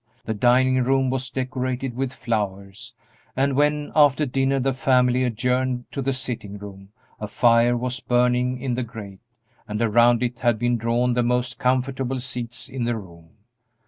The dining room was decorated with flowers, and when, after dinner, the family adjourned to the sitting room, a fire was burning in the grate, and around it had been drawn the most comfortable seats in the room.